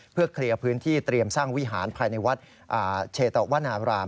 เพื่อเคลียร์พื้นที่เตรียมสร้างวิหารภายในวัดเชตวนาราม